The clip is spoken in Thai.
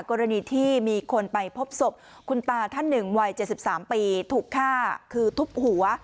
กรณีที่มีคนไปพบศพคุณตาท่านหนึ่งวัย๗๓ปีถูกฆ่าคือทุบหัว